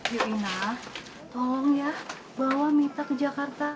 iyina tolong ya bawa mita ke jakarta